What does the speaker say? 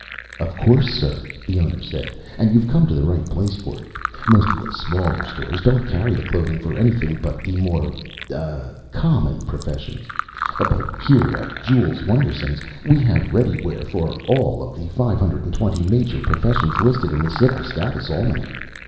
"Of course, sir," the owner said. "And you've come to the right place for it. Most of the smaller stores don't carry the clothing for anything but the more ... ah ... common professions. But here at Jules Wonderson's, we have ready wears for all of the five hundred and twenty major professions listed in the Civil Status Almanac.